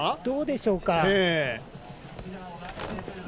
どうでしょうか。